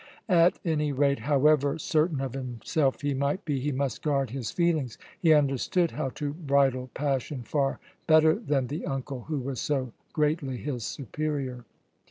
At any rate, however certain of himself he might be, he must guard his feelings. He understood how to bridle passion far better than the uncle who was so greatly his superior.